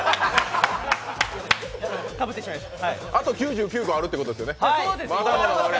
あと９９個あるってことですよね？